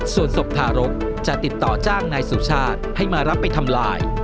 ส่วนศพทารกจะติดต่อจ้างนายสุชาติให้มารับไปทำลาย